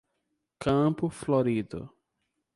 Campo Florido